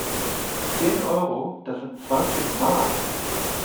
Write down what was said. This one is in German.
Zehn Euro? Das sind zwanzig Mark!